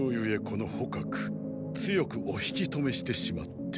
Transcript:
この蒲強くお引き止めしてしまって。